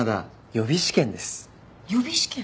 予備試験？